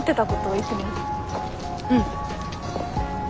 うん。